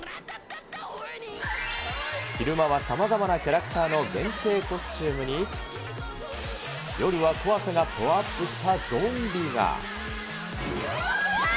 昼間はさまざまなキャラクターの限定コスチュームに、夜は怖さがパワーアップしたゾンビが。